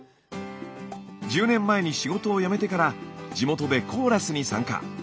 １０年前に仕事をやめてから地元でコーラスに参加。